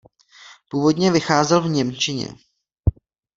Původně vycházel v němčině.